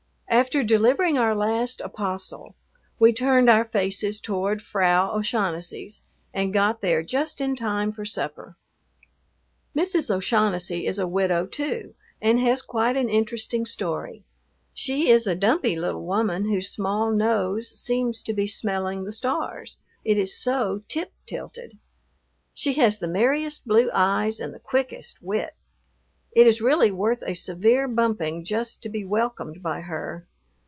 After delivering our last "apostle," we turned our faces toward Frau O'Shaughnessy's, and got there just in time for supper. Mrs. O'Shaughnessy is a widow, too, and has quite an interesting story. She is a dumpy little woman whose small nose seems to be smelling the stars, it is so tip tilted. She has the merriest blue eyes and the quickest wit. It is really worth a severe bumping just to be welcomed by her.